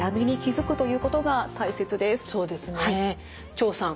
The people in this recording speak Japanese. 張さん